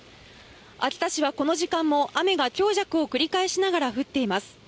秋田市は、この時間も雨が強弱を繰り返しながら降っています。